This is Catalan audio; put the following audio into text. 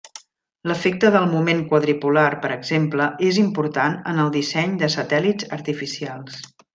L'efecte del moment quadripolar per exemple és important en el disseny de satèl·lits artificials.